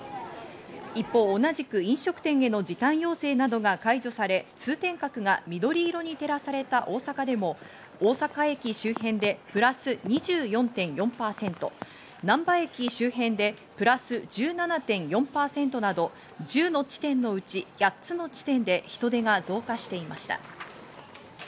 一方、同じく飲食店への時短要請などが解除され通天閣が緑色に照らされた大阪でも大阪駅周辺でプラス２４．４％、なんば駅周辺でプラス１７．４％など、１０の地点のうち８つの地点で人出が増加していました。